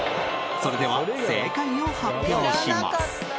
それでは正解を発表します。